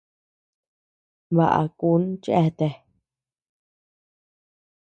Baʼa kun cheatea.